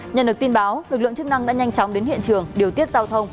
nhận được tin báo lực lượng chức năng đã nhanh chóng đến hiện trường điều tiết giao thông